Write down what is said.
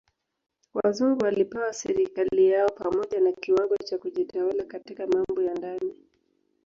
Wazungu walipewa serikali yao pamoja na kiwango cha kujitawala katika mambo ya ndani.